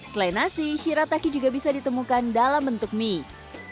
selain nasi shirataki juga bisa ditemukan dalam bentuk mie